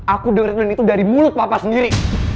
aku doritin itu dari mulut papa sendiri